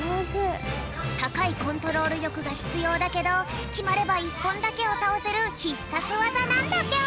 たかいコントロールりょくがひつようだけどきまれば１ぽんだけをたおせるひっさつわざなんだぴょん！